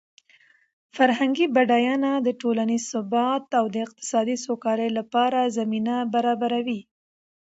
فرهنګي بډاینه د ټولنیز ثبات او د اقتصادي سوکالۍ لپاره زمینه برابروي.